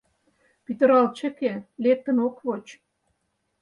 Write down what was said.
Пӱтырал чыке, лектын ок воч.